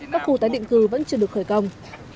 các khu tái định cư vẫn chưa được khởi công